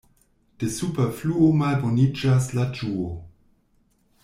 De superfluo malboniĝas la ĝuo.